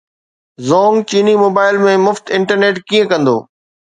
زونگ چيني موبائيل ۾ مفت انٽرنيٽ ڪيئن ڪندو